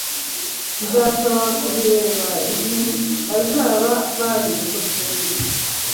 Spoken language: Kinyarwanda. Nzasaba kubireba igihe bazaba babikosoye.